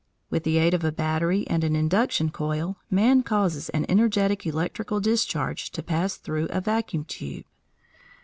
With the aid of a battery and an induction coil, man causes an energetic electrical discharge to pass through a vacuum tube.